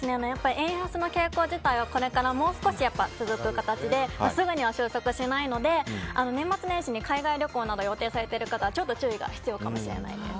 円安の傾向自体はこれからもう少し続く形ですぐには収束しないので年末年始に海外旅行などを予定されている方はちょっと注意が必要かもしれないです。